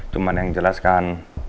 cuman yang jelas kan